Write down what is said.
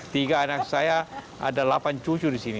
tiga anak saya ada delapan cucu di sini